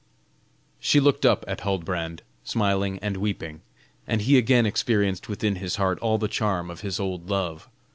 She looked up at Huldbrand, smiling and weeping; and he again experienced within his heart all the charm of his old love.